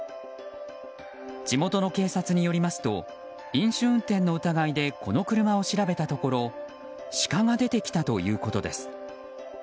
地元の警察によりますと飲酒運転の疑いでこの車を調べたところシカが出てきたということです。